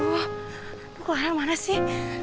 aduh clara mana sih